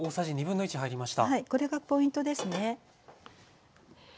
これがポイントですね。